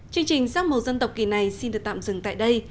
chương trình sắc màu dân tộc kỳ này xin được tạm dừng tại đây